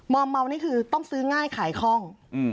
อมเมานี่คือต้องซื้อง่ายขายคล่อง